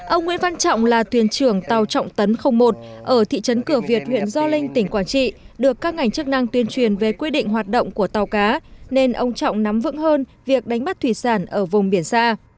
ông nguyễn văn trọng là thuyền trưởng tàu trọng tấn một ở thị trấn cửa việt huyện gio linh tỉnh quảng trị được các ngành chức năng tuyên truyền về quy định hoạt động của tàu cá nên ông trọng nắm vững hơn việc đánh bắt thủy sản ở vùng biển xa